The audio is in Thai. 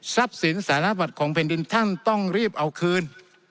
ทรัพย์สินสารรัฐบาลของเพลงดินท่านต้องรีบเอาคืน